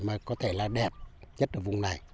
mà có thể là đẹp nhất ở vùng này